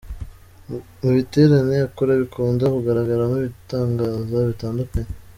Mu biterane akora bikunda kugaragaramo ibitangaza bitandukanye.